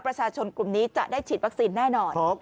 ประชาชนกลุ่มนี้จะได้ฉีดวัคซีนแน่นอน